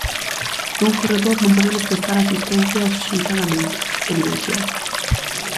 "Nun corredor non podemos prestar asistencia axeitadamente", evidenciaba.